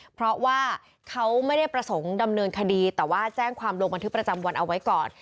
เพราะว่าเขาไม่ได้ประสงค์ดำเนินคดีแต่ว่าแจ้งความลงบันทึกประจำวันเอาไว้ก่อน